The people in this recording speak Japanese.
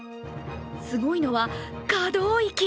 すごいのは、可動域。